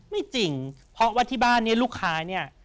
ไม่จริงเพราะว่าที่บ้านเนี่ยลูกค้าเนี่ย